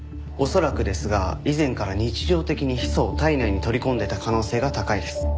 恐らくですが以前から日常的にヒ素を体内に取り込んでいた可能性が高いです。